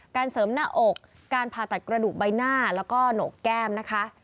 การเสริมหน้าอกการผ่าตัดกระดูกใบหน้าแล้วก็โหนกแก้มนะคะ